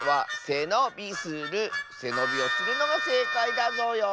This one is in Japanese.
せのびをするのがせいかいだぞよ！